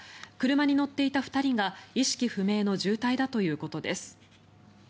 車に乗っていた２人が意識不明の重体だということです。